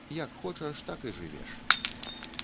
Як хочаш, так і жывеш.